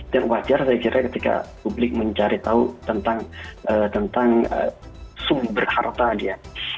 dan wajar saya kira ketika publik mencari tahu tentang sumber harta dia